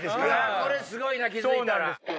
これすごいな気付いたら。